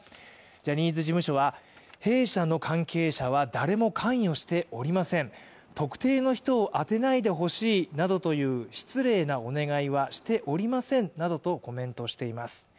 ジャニーズ事務所は弊社の関係者は誰も関与しておりません、特定の人を当てないでほしいなどという失礼なお願いはしておりませんなどとコメントしています。